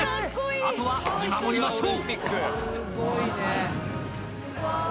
あとは見守りましょう。